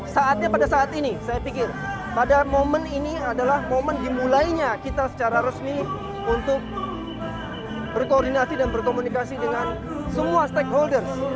saatnya pada saat ini saya pikir pada momen ini adalah momen dimulainya kita secara resmi untuk berkoordinasi dan berkomunikasi dengan semua stakeholders